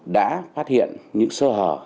đã phát hiện những sơ hở